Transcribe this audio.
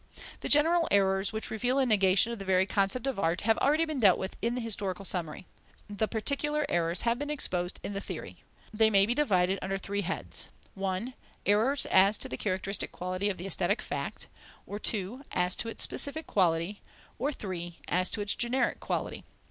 The general errors which reveal a negation of the very concept of art have already been dealt with in the Historical Summary. The particular errors have been exposed in the Theory. They may be divided under three heads: (i.) Errors as to the characteristic quality of the aesthetic fact, or (ii.) as to its specific quality, or (iii.) as to its generic quality.